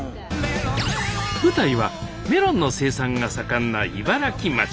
舞台はメロンの生産が盛んな茨城町。